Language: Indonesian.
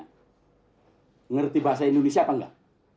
mengerti bahasa indonesia apa enggak